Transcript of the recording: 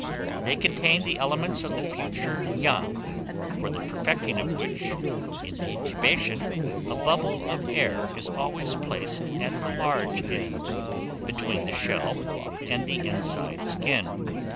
They contain the elements of the future young, for the perfecting of which in the incubation a bubble of air is always placed at the large end, between the shell and the inside skin.